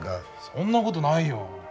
そんなことないよ。